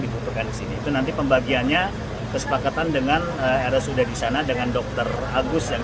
diperkati sini itu nanti pembagiannya kesepakatan dengan ada sudah disana dengan dokter agus yang